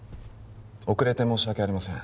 遅れて申し訳ありません